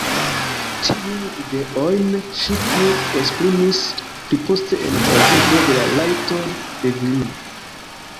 Tiujn ideojn ŝi plu esprimis pliposte en "Pravigo de la Rajtoj de Virino".